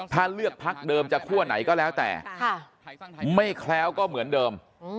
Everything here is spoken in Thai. ถ้าเลือกพักเดิมจะคั่วไหนก็แล้วแต่ไม่แคล้วก็เหมือนเดิม